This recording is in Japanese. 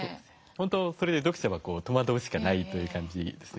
ほんとそれで読者は戸惑うしかないという感じですね。